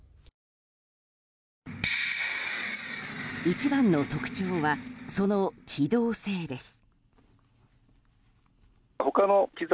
一番の特徴はその機動性です。